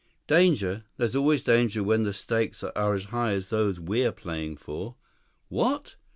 Danger? There's always danger when the stakes are as high as those we're playing for.... What!"